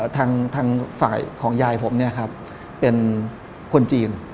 ทางฝ่ายของยายผมเป็นคนจีน